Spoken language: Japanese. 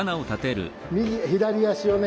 左足をね